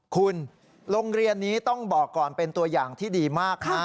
คุณโรงเรียนนี้ต้องบอกก่อนเป็นตัวอย่างที่ดีมากนะ